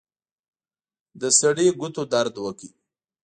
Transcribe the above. د سړي ګوتو درد وکړ.